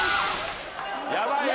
ヤバいよ。